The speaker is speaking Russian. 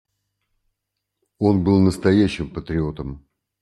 Он был настоящим патриотом.